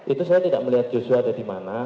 itu saya tidak melihat joshua ada dimana